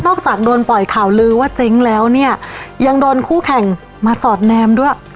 จากโดนปล่อยข่าวลือว่าเจ๊งแล้วเนี่ยยังโดนคู่แข่งมาสอดแนมด้วย